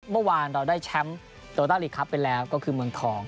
เมื่อวานเราได้แชมป์โตต้าลีกครับไปแล้วก็คือเมืองทอง